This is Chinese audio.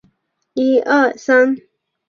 再来是仪表板